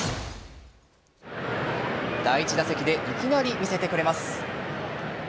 第１打席でいきなり見せてくれます。